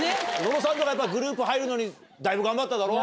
野呂さんとかグループ入るのにだいぶ頑張っただろ？